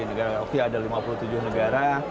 negara oke ada lima puluh tujuh negara